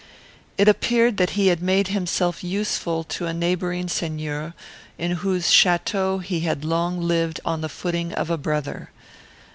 It appeared that he had made himself useful to a neighbouring seigneur, in whose château he had long lived on the footing of a brother.